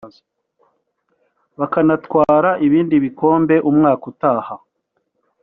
bakanatwara ibindi bikombe umwaka utaha